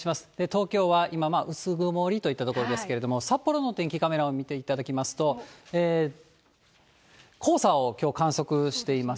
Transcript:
東京は今、薄曇りといったところですけれども、札幌のお天気カメラを見ていただきますと、黄砂をきょう観測しています。